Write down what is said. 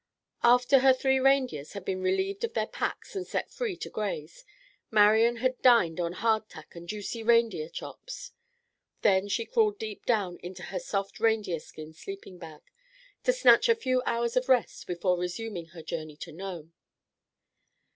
After her three reindeers had been relieved of their packs and set free to graze, Marian had dined on hardtack and juicy reindeer chops. Then she crawled deep down into her soft reindeer skin sleeping bag, to snatch a few hours of rest before resuming her journey to Nome.